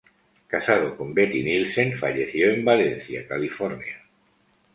Casado con Betty Nielsen, falleció en Valencia, California.